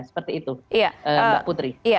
seperti itu mbak putri